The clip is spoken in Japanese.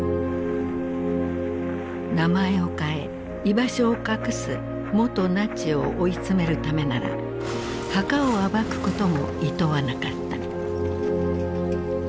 名前を変え居場所を隠す元ナチを追い詰めるためなら墓を暴くこともいとわなかった。